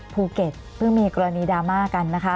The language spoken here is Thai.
ภูเก็ตเพิ่งมีกรณีดราม่ากันนะคะ